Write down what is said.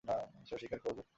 সেও স্বীকার করব?